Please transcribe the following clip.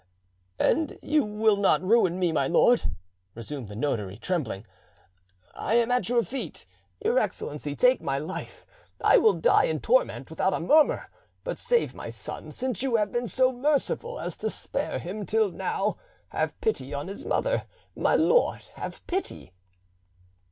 "And you will not ruin me, my lord," resumed the notary, trembling; "I am at your feet, your Excellency; take my life and I will die in torment without a murmur, but save my son since you have been so merciful as to spare him till now; have pity on his mother; my lord, have pity!"